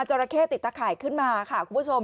ราเข้ติดตะข่ายขึ้นมาค่ะคุณผู้ชม